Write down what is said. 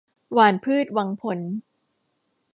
หว่านพืชหวังผล